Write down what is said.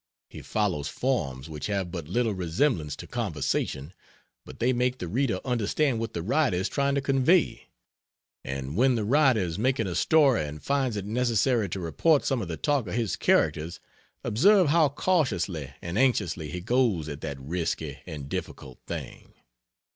He follows forms which have but little resemblance to conversation, but they make the reader understand what the writer is trying to convey. And when the writer is making a story and finds it necessary to report some of the talk of his characters observe how cautiously and anxiously he goes at that risky and difficult thing.